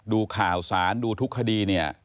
ดูข่าวสารดูทุกคดี